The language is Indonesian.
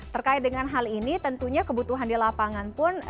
terkait dengan hal ini tentunya kebutuhan di lapangan pun